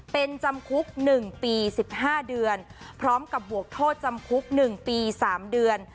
เป็นจำคุกหนึ่งปีสิบห้าเดือนพร้อมกับบวกโทษจำคุกหนึ่งปีสามเดือน